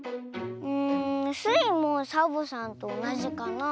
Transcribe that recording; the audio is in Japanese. うんスイもサボさんとおなじかな。